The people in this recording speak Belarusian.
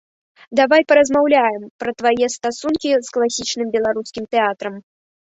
Давай паразмаўляем пра твае стасункі з класічным беларускім тэатрам.